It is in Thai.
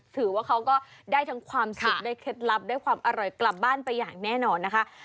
ถือว่าเขาก็ได้ทั้งความสุขได้เคล็ดลับได้ความอร่อยกลับบ้านไปอย่างแน่นอนนะคะ